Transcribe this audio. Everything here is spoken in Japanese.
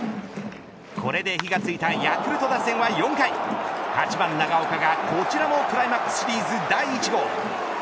これで火がついたヤクルト打線は４回８番長岡が、こちらもクライマックスシリーズ第１号。